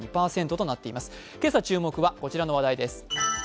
今朝注目はこちらの話題です。